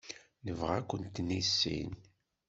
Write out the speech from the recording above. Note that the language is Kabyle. Nebɣa ad kent-nissin.